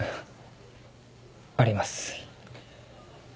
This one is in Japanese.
あります。